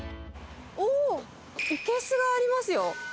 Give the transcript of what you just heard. おー、生けすがありますよ。